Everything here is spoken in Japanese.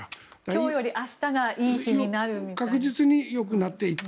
今日より明日がいい日になるみたいな。